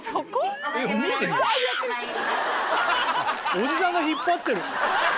おじさんが引っ張ってる。